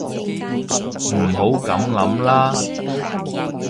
唔好噉諗啦